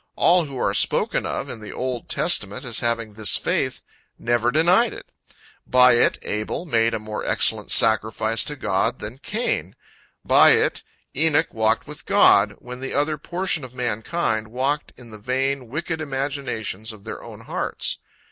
All who are spoken of in the Old Testament as having this faith never denied it. By it Abel made a more excellent sacrifice to God than Cain. By it, Enoch walked with God, when the other portion of mankind walked in the vain wicked imaginations of their own hearts.